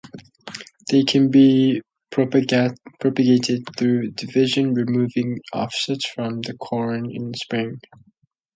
They can be propagated through division, removing offsets from the corm in spring.